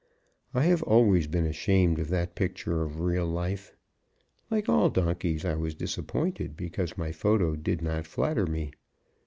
I have always been ashamed of that picture of real life. Like all donkeys, I was disappointed because my photo did not flatter me.